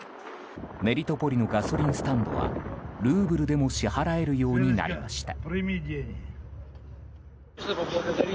メリトポリのガソリンスタンドはルーブルでも支払えるようになりました。